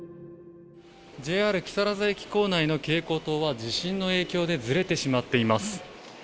ＪＲ木更津駅構内の蛍光灯は、地震の影響でずれてしまっています。